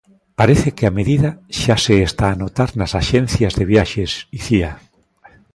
Parece que a medida xa se está a notar nas axencias de viaxes, Icía.